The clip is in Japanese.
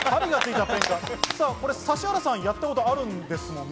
指原さん、やったことあるんですよね？